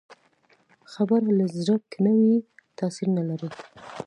خبره له زړه که نه وي، تاثیر نه لري